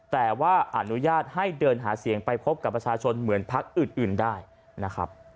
แต่ว่าอนุญาตให้เดินหาเสียงไปพบกับประชาชนเหมือนพักอื่นได้นะครับ